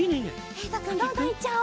えいとくんどんどんいっちゃおう。